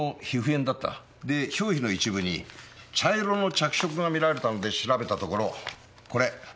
で表皮の一部に茶色の着色が見られたので調べたところこれ！